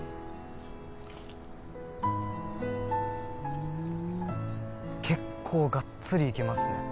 ふーん結構がっつりいきますね。